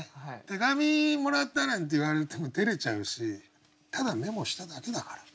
「手紙もらった」なんて言われてもてれちゃうし「ただメモしただけだから」